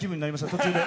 途中で。